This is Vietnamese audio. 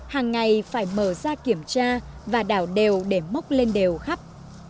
hàng ngày phải mở ra kiểm tra và đảo đều để mốc lên đều khắp